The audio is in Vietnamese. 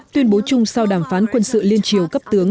tuyên bố chung sau đàm phán quân sự liên triều cấp tướng